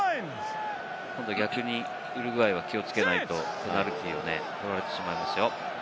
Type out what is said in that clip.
逆にウルグアイは気をつけないとペナルティーを取られてしまいますよ。